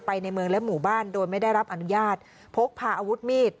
ในเมืองและหมู่บ้านโดยไม่ได้รับอนุญาตพกพาอาวุธมีด